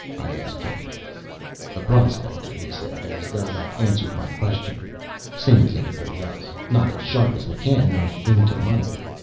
I asked him. "A prospector," he said, as though that answered my question. "Same as everybody else. Not as sharp as McCann when it came to money.